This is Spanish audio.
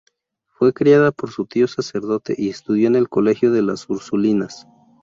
Fue criada por su tío sacerdote y estudió en el colegio de las ursulinas.